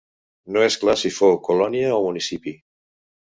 No és clar si fou colònia o municipi.